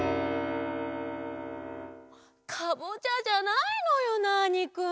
カボチャじゃないのよナーニくん！